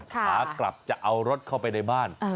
ขากลับจะเอารถเข้าไปในบ้าน